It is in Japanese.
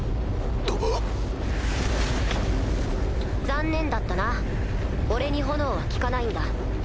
残念だったな俺に炎は効かないんだ。